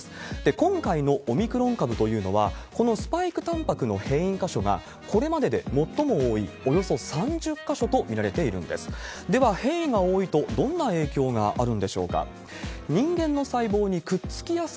今回のオミクロン株というのは、このスパイクタンパクの変異箇所が、これまでで最も多いおよそ３０か所と見られているんです。